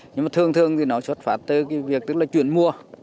nhưng mà thường thường thì nó xuất phát tới việc chuyển mùa